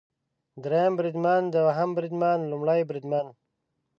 دریم بریدمن، دوهم بریدمن ، لومړی بریدمن